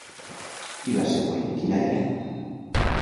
I la següent quina era?